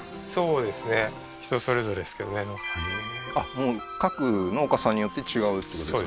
もう各農家さんによって違うってことですか？